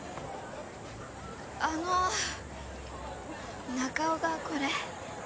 あの中央がこれ。